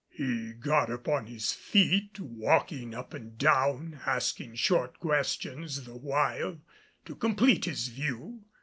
He got upon his feet, walking up and down, asking short questions the while to complete his view.